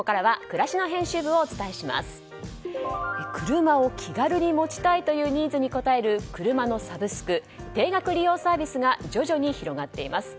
車を気軽に持ちたいというニーズに応える車のサブスク定額利用サービスが徐々に広がっています。